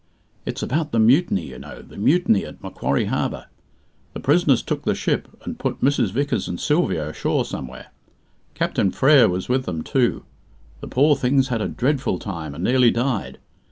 "It's about the mutiny, you know, the mutiny at Macquarie Harbour. The prisoners took the ship, and put Mrs. Vickers and Sylvia ashore somewhere. Captain Frere was with them, too. The poor things had a dreadful time, and nearly died.